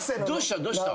どうした？